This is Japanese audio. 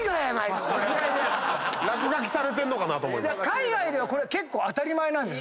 海外ではこれ結構当たり前なんです。